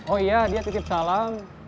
oh iya dia titip salam